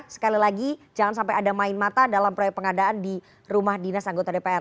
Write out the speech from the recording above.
sekali lagi jangan sampai ada main mata dalam proyek pengadaan di rumah dinas anggota dpr